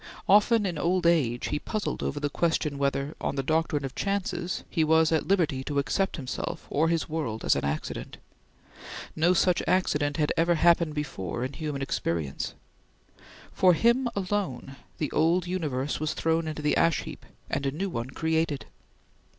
Often in old age he puzzled over the question whether, on the doctrine of chances, he was at liberty to accept himself or his world as an accident. No such accident had ever happened before in human experience. For him, alone, the old universe was thrown into the ash heap and a new one created.